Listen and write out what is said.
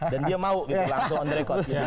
dan dia mau langsung on record